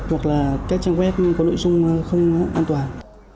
hoặc là các trang web có nội dung không an toàn